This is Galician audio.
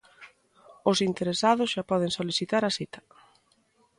Os interesados xa poden solicitar a cita.